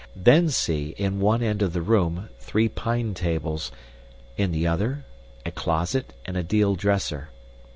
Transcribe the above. Then see, in one end of the room, three pine tables; in the other, a closet and a deal dresser.